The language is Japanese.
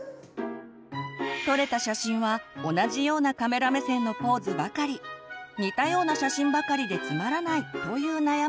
撮れた写真は同じようなカメラ目線のポーズばかり似たような写真ばかりでつまらないという悩みも。